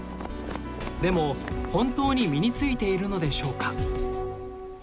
でも本当に身に付いているのでしょうか？